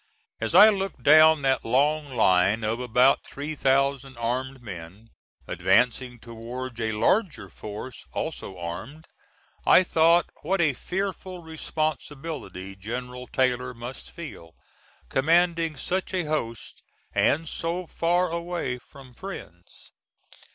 As I looked down that long line of about three thousand armed men, advancing towards a larger force also armed, I thought what a fearful responsibility General Taylor must feel, commanding such a host and so far away from friends.